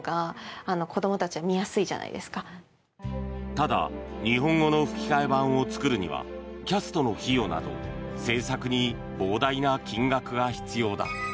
ただ日本語の吹き替え版を作るにはキャストの費用など制作に膨大な金額が必要だ。